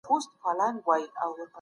انسان د نورو لخوا غولول کیږي.